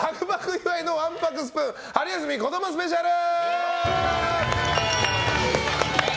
岩井のわんぱくワンスプーン春休み子どもスペシャル！